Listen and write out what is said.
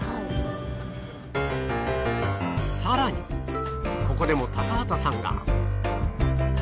更にここでも高畑さんが。